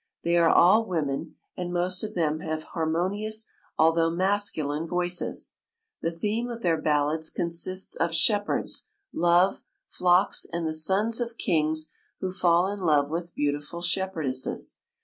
They are all women, and most of them have harmonious al though masculine voices. The theme of their ballads consists of shepherds, love, flocks, and the sons of kings who fall in love with beautiful shepherd esses.